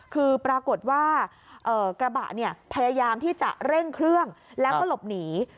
คือปรากฏว่ากระบะเนี่ยพยายามที่จะเร่งเครื่องแล้วก็หลบหนี